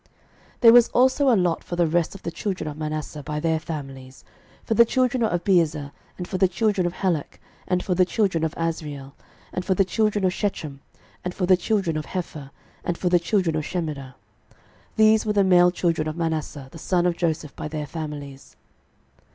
06:017:002 There was also a lot for the rest of the children of Manasseh by their families; for the children of Abiezer, and for the children of Helek, and for the children of Asriel, and for the children of Shechem, and for the children of Hepher, and for the children of Shemida: these were the male children of Manasseh the son of Joseph by their families.